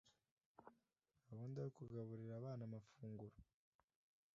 Gahunda yo kugaburira abana amafunguro